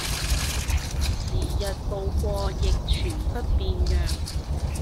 時日步過亦全不變樣